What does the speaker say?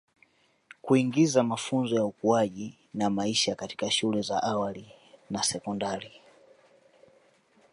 Kuingiza mafunzo ya ukuaji na maisha katika shule za awali na sekondari